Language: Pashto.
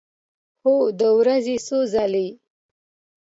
هو، د ورځې څو ځله